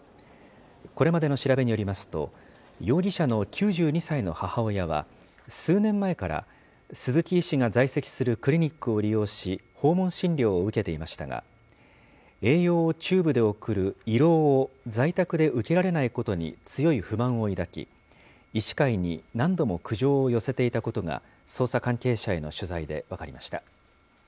これまでの調べによりますと、容疑者の９２歳の母親は、数年前から鈴木医師が在籍するクリニックを利用し、訪問診療を受けていましたが、栄養をチューブで送る胃ろうを在宅で受けられないことに強い不満を抱き、医師会に何度も苦情を寄せていたことが、捜査関係者への取材で分かりました。